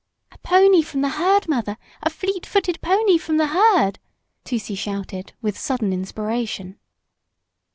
"A pony from the herd, mother, a fleet footed pony from the herd!" Tusee shouted with sudden inspiration.